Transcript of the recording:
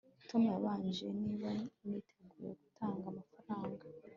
tom yambajije niba niteguye gutanga amafaranga